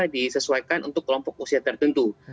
disesuaikan untuk kelompok usia tertentu